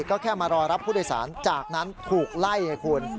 ก็แค่มารอรับผู้โดยสารจากนั้นถูกไล่ไงคุณ